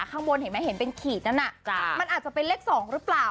ข้างบนเห็นไหมเห็นเป็นขีดนั้นมันอาจจะเป็นเลข๒หรือเปล่า